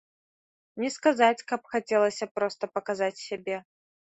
Не сказаць, каб хацелася проста паказаць сябе.